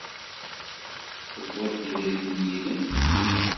Tewwid-d idrimen yid-m?